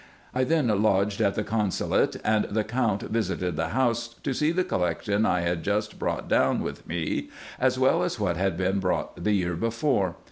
I then lodged at the consulate ; and the Count visited the house, to see the collection I had just brought down with me, as well as what had been brought the year before.